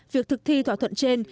việc thực thi thỏa thuận trên